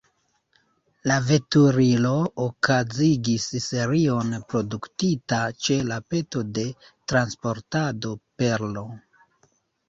La veturilo okazigis serion produktita ĉe la peto de Transportado Perlo.